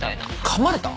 かまれた！？